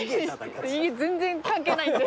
全然関係ないんで。